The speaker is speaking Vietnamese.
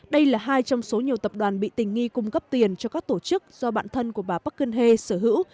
đây là hai trong số nhiều tập đoàn bị tình nghi cung cấp tiền cho các tổ chức do bạn thân của bà park geun hye sở hữu